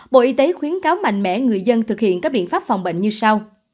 bộ y tế khuyến cáo mạnh mẽ người dân thực hiện các biện pháp phòng bệnh như sau